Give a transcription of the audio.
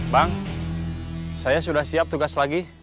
bang saya sudah siap tugas lagi